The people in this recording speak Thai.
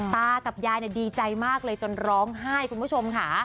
ตากับยายดีใจมากเลยจนร้องไห้คุณผู้ชมค่ะ